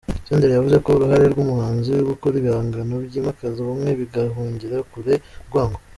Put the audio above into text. Senderi yavuze ko uruhare rw’umuhanzi ari ugukora ibihangano byimakaza ubumwe bigahungira kure urwango.